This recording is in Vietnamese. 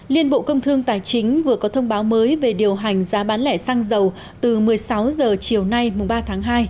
liên bộ công thương tài chính vừa có thông báo mới về điều hành giá bán lẻ xăng dầu từ một mươi sáu h chiều nay mùng ba tháng hai